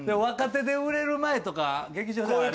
若手で売れる前とか劇場で。